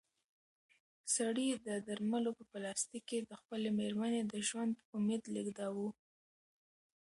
سړي د درملو په پلاستیک کې د خپلې مېرمنې د ژوند امید لېږداوه.